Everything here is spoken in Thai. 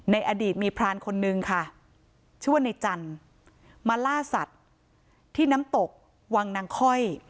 ในอดีตมีพรานคนนึงค่ะชื่อว่าในจันทร์มาล่าสัตว์ที่น้ำตกวังนางค่อย